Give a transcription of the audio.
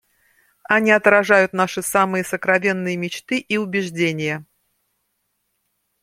Они отражают наши самые сокровенные мечты и убеждения.